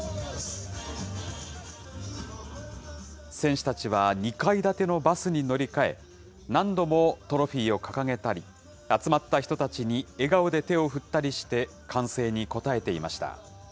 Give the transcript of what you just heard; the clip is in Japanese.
選手たちは２階建てのバスに乗り換え、何度もトロフィーを掲げたり、集まった人たちに笑顔で手を振ったりして、歓声に応えていました。